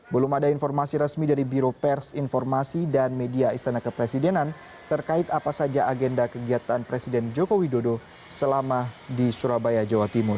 belum ada informasi resmi dari biro pers informasi dan media istana kepresidenan terkait apa saja agenda kegiatan presiden joko widodo selama di surabaya jawa timur